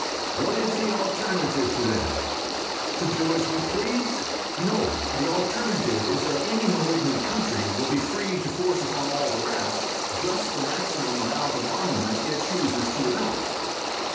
What is the alternative to that? To do as we please? No, the alternative is that any malignant country will be free to force upon all the rest just the maximum amount of armament it chooses to adopt.